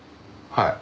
はい。